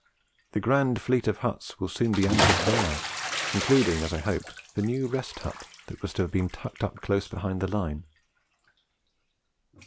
The grand fleet of huts will soon be anchored there including, as I hope, the new Rest Hut that was to have been tucked up close behind the Line.